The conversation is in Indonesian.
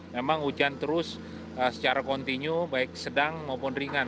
memang hujan terus secara kontinu baik sedang maupun ringan